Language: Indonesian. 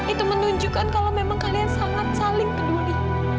itu menunjukkan kalau memang kalian sangat saling peduli